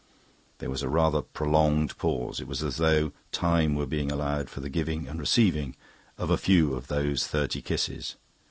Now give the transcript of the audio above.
There was a rather prolonged pause. It was as though time were being allowed for the giving and receiving of a few of those thirty kisses.